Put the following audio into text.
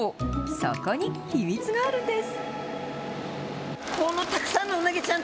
そこに秘密があるんです。